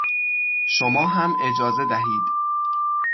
شما هم اجازه دهید